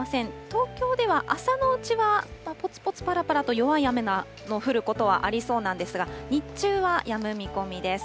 東京では朝のうちは、ぽつぽつ、ぱらぱらと弱い雨の降ることはありそうなんですが、日中はやむ見込みです。